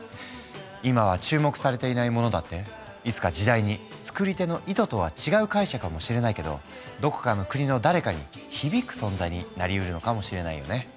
今は注目されていないものだっていつか時代に作り手の意図とは違う解釈かもしれないけどどこかの国の誰かに響く存在になりうるのかもしれないよね。